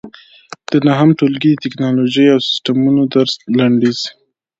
د نهم ټولګي د ټېکنالوجۍ او سیسټمونو درس لنډیز